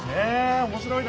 おもしろいな。